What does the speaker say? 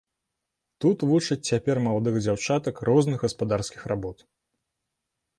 Тут вучаць цяпер маладых дзяўчатак розных гаспадарскіх работ.